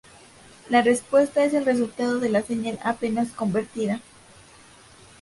La respuesta es el resultado de la señal apenas convertida.